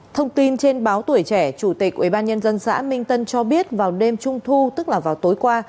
thông tin trên báo tuổi trẻ chủ tịch ubnd xã minh tân cho biết vào đêm trung thu tức là vào tối qua